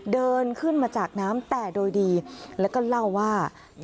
เดินขึ้นมาจากน้ำแต่โดยดีแล้วก็เล่าว่า